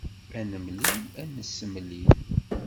Ar nemlil ad nessemlil.